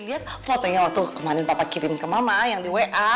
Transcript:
lihat fotonya waktu kemarin papa kirim kemana yang di wa